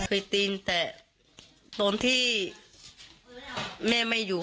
ตีนแต่ตอนที่แม่ไม่อยู่